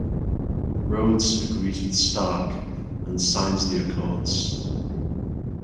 Rhodes agrees with Stark and signs the Accords.